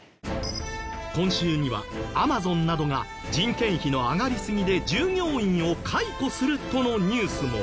今週にはアマゾンなどが人件費の上がりすぎで従業員を解雇するとのニュースも。